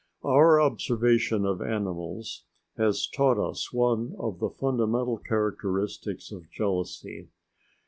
Our observation of animals has taught us one of the fundamental characteristics of jealousy.